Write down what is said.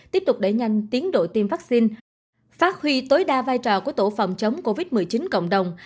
tiếp tục đẩy nhanh tiến độ tiêm vaccine phát huy tối đa vai trò của tổ phòng chống covid một mươi chín cộng đồng